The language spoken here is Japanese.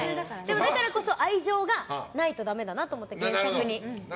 だからこそ愛情がないとダメだなって原作に。